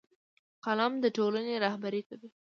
قلم د ټولنې رهبري کوي